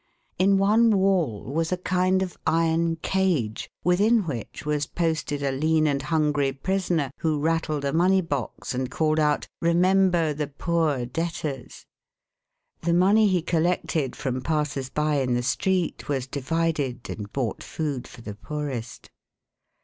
In one wall was a kind of iron cage, within which was posted a lean and hungry prisoner who rattled a money box and called out: "Remember the poor debtors!" The money he collected from passers by in the street was divided and bought food for the poorest.